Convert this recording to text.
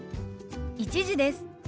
１時です。